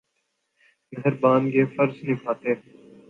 مہربان یہ فرض نبھاتے۔